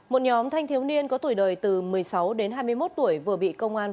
một nhóm thanh thiếu niên có tuổi đời từ một mươi sáu đến hai mươi một tuổi vừa bị công an